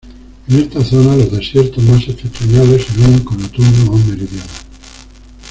En esta zona los desiertos más septentrionales se unen con la tundra más meridional.